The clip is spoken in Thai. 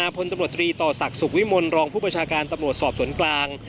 จากพลตำรวจธรีต่อสักวิมวลรองภูมิประชาการตำรวจสอบสวนกลาง